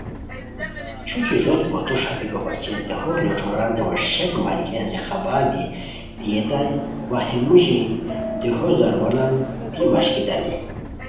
چھوچی ݱوت بوتو ݰاپیکو بچین دیہو لوٹھوروانتین وا شک ملگیریانتے خبر دیئتائے و ا ہے موژی دیہو زاروانان دی مݰکیتانی